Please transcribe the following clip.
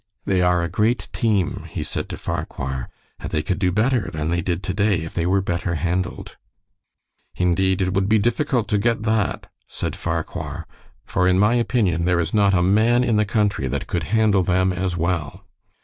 "They are a great team," he said to Farquhar. "And they could do better than they did to day if they were better handled.' "Indeed, it would be difficult to get that," said Farquhar, "for, in my opinion, there is not a man in the country that could handle them as well."